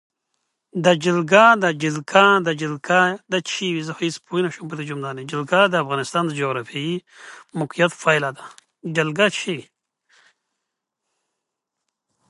جلګه د افغانستان د جغرافیایي موقیعت پایله ده.